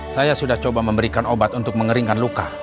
saya sudah coba memberikan obat untuk mengeringkan luka